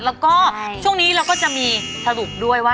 แล้วก็ช่วงนี้เราก็จะมีสรุปด้วยว่า